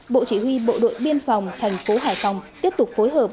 bộ chỉ huy bộ đội biên phòng thành phố hải phòng tiếp tục phối hợp